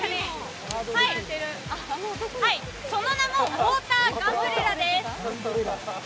その名も、ウォーターガンブレラです。